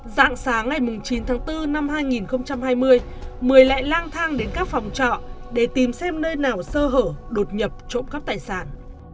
dạng sáng ngày chín tháng bốn năm hai nghìn hai mươi mười lại lang thang đến các phòng trọ để tìm xem nơi nào sơ hở đột nhập trộm cắp tài sản